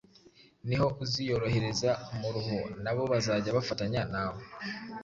Ni ho uziyorohereza umuruho na bo bazajya bafatanya nawe.